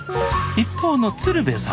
一方の鶴瓶さん